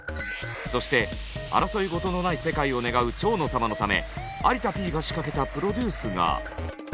そして争いごとのない世界を願う蝶野様のため有田Ｐが仕掛けたプロデュースが。